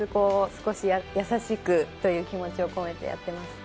少し優しくという気持ちを込めてやっています。